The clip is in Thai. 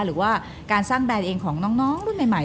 หรือว่าการสร้างแบรนด์เองของน้องรุ่นใหม่